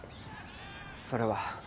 それは。